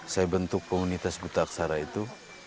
saya bentuk komunitas buta aksara itu